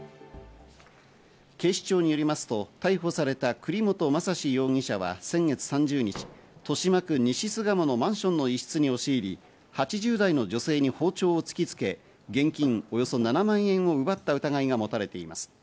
警視庁によりますと、逮捕された栗本昌史容疑者は先月３０日、豊島区西巣鴨のマンションの一室に押し入り、８０代の女性に包丁を突きつけ、現金およそ７万円を奪った疑いが持たれています。